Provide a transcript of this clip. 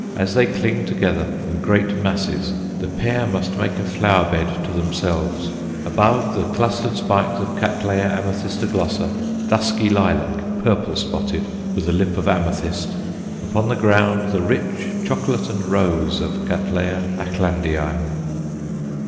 As they cling together in great masses the pair must make a flower bed to themselves above, the clustered spikes of C. amethystoglossa, dusky lilac, purple spotted, with a lip of amethyst; upon the ground the rich chocolate and rose of C. Acklandiæ.